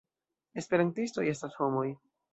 Esperantistoj estas homoj.